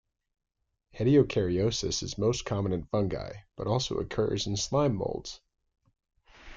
Heterokaryosis is most common in fungi, but also occurs in slime molds.